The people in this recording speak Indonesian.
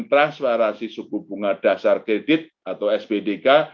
transferasi suku bunga dasar kredit atau sbdk